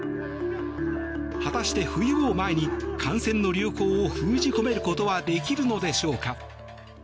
果たして冬を前に感染の流行を封じ込めることはできるのでしょうか。